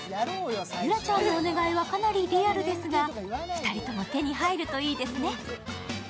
ゆらちゃんのお願いはかなりリアルですが、２人とも手に入るといいですね。